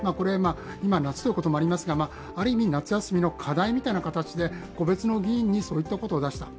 今、夏ということもありますが、ある意味、夏休みの課題みたいな形で個別の議員にそういったことを出した。